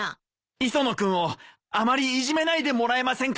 磯野君をあまりいじめないでもらえませんか？